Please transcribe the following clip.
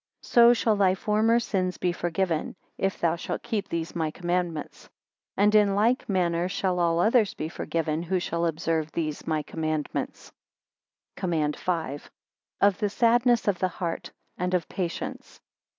28 So shall thy former sins be forgiven, if thou shalt keep these my commandments. And in like manner shall all others be forgiven, who shall observe these my commandments. COMMAND V. Of the sadness of the heart, and of patience.